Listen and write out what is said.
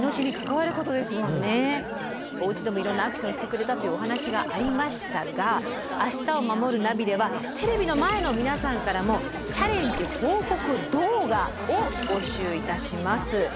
おうちでもいろんなアクションしてくれたというお話がありましたが「明日をまもるナビ」ではテレビの前の皆さんからも「チャレンジ報告動画」を募集いたします。